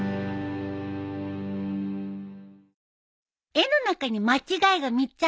絵の中に間違いが３つあるよ。